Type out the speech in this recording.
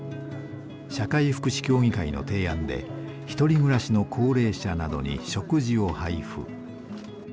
社会福祉協議会の提案で１人暮らしの高齢者などに食事を配布。